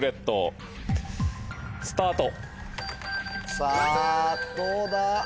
さぁどうだ？